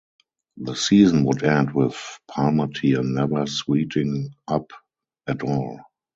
The season would end with Palmateer never suiting up at all.